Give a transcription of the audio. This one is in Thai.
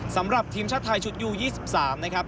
สำหรับทีมชาติไทยชุดยู๒๓นะครับ